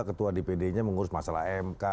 ketua dpd nya mengurus masalah mk